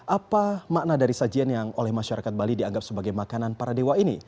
apa makna dari sajian yang oleh masyarakat bali dianggap sebagai makanan para dewa ini